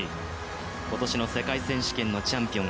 今年の世界選手権のチャンピオン